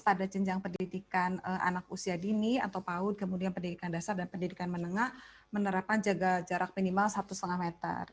pada jenjang pendidikan anak usia dini atau paut kemudian pendidikan dasar dan pendidikan menengah menerapkan jaga jarak minimal satu lima meter